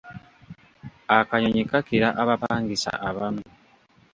Akanyonyi kakira abapangisa abamu.